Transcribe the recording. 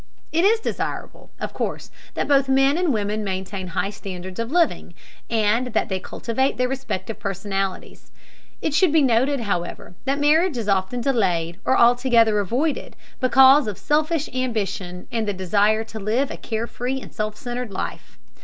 It is desirable, of course, that both men and women maintain high standards of living, and that they cultivate their respective personalities. It should be noted, however, that marriage is often delayed or altogether avoided because of selfish ambition and the desire to live a care free and self centered life.